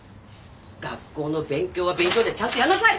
学校の勉強は勉強でちゃんとやんなさい！